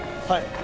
はい。